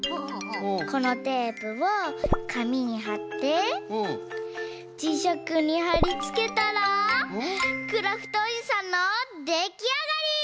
このテープをかみにはってじしゃくにはりつけたらクラフトおじさんのできあがり！